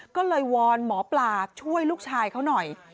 ก็เลยวอนหมอปลาช่วยลูกชายเขาหน่อย